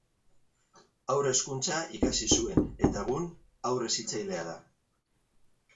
Haur hezkuntza ikasi zuen eta egun, haur hezitzailea da.